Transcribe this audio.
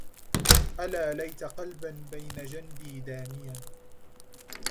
ألا ليت قلبا بين جنبي داميا